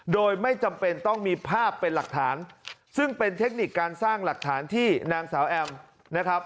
โดยไม่จำเป็นต้องมีภาพเป็นหลักฐานซึ่งเป็นเทคนิคการสร้างหลักฐานที่นางสาวแอมนะครับ